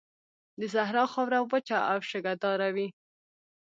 د صحرا خاوره وچه او شګهداره وي.